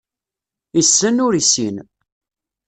Issen, ur issin.